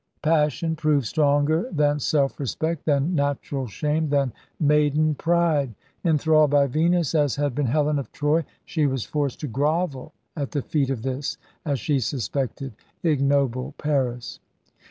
Passion proved stronger than self respect, than natural shame, than maiden pride. Enthralled by Venus, as had been Helen of Troy, she was forced to grovel at the feet of this as she suspected ignoble Paris.